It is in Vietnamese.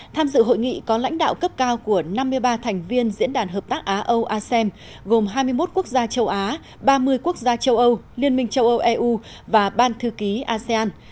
tham dự hội nghị có lãnh đạo cấp cao của năm mươi ba thành viên diễn đàn hợp tác á âu asem gồm hai mươi một quốc gia châu á ba mươi quốc gia châu âu liên minh châu âu eu và ban thư ký asean